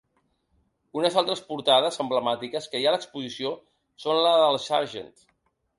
Unes altres portades emblemàtiques que hi ha a l’exposició són la del Sgt.